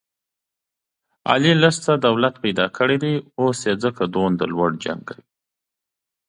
علي لږ څه دولت پیدا کړی دی، اوس یې ځکه دومره هسکه وړوي...